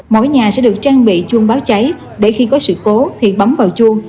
mỗi nhà sẽ được trang bị chuông báo cháy để khi có sự cố thì bấm vào chuông